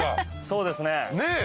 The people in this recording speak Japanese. そうですね。